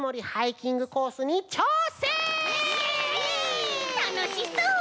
たのしそう！